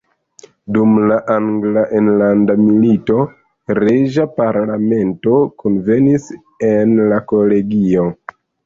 Dum la Angla enlanda milito reĝa parlamento kunvenis en la kolegio.